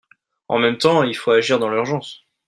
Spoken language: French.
En même temps, il faut agir dans l’urgence.